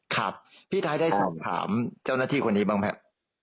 ครับพี่ท้ายได้ถามเจ้าหน้าที่คนนี้บ้างไหม